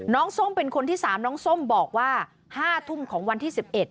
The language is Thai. ส้มเป็นคนที่๓น้องส้มบอกว่า๕ทุ่มของวันที่๑๑